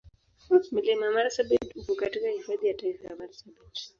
Mlima Marsabit uko katika Hifadhi ya Taifa ya Marsabit.